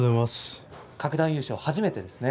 各段優勝、初めてですね。